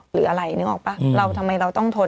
หรืออะไรนึกออกป่ะเราทำไมเราต้องทน